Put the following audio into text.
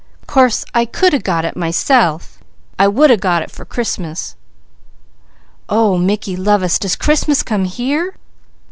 Course I could a got it myself. I would a got it for Christmas " "Oh Mickey lovest, does Christmas come here?"